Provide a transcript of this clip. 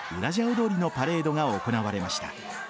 踊りのパレードが行われました。